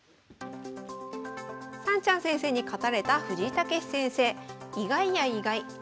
さんちゃん先生に勝たれた藤井猛先生。